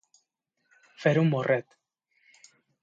Fer un morret.